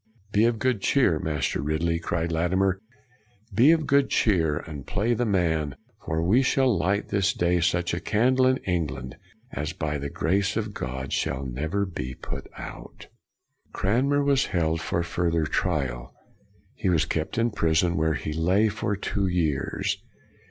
" Be of good cheer, Master Ridley," cried Latimer. " Be of good cheer, and play the man, for we shall light this day such a candle in England as by the grace of God shall never be put out." Cranmer was held for further trial. He was kept in prison, where he lay for two years.